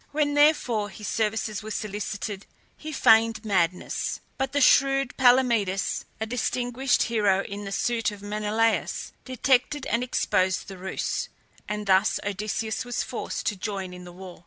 When therefore his services were solicited he feigned madness; but the shrewd Palamedes, a distinguished hero in the suite of Menelaus, detected and exposed the ruse, and thus Odysseus was forced to join in the war.